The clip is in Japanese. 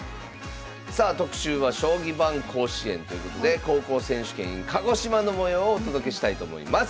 さあ特集は「将棋版甲子園！」ということで「高校選手権ｉｎ鹿児島」の模様をお届けしたいと思います。